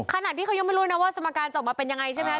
ขณะที่เขายังไม่รู้นะว่าสมการจบมาเป็นยังไงใช่ไหม